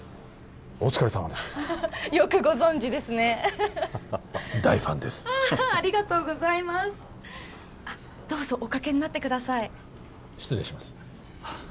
お疲れさまですよくご存じですね大ファンですありがとうございますあっどうぞおかけになってください失礼します